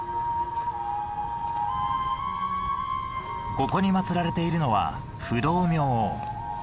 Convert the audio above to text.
ここに祀られているのは不動明王。